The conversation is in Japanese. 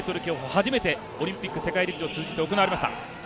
初めて、オリンピック世界陸上を通じて行われました。